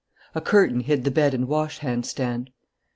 A curtain hid the bed and wash hand stand.